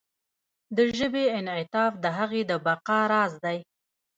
د ژبې انعطاف د هغې د بقا راز دی.